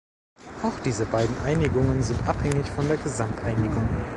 Auch diese beiden Einigungen sind abhängig von der Gesamteinigung.